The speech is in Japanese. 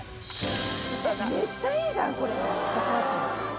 めっちゃいいじゃんこれ。